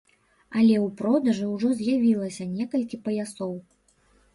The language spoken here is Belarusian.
Але ў продажы ўжо з'явілася некалькі паясоў.